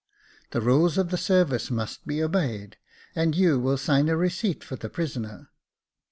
The rules of the service must be obeyed, and you will sign a receipt for the prisoner."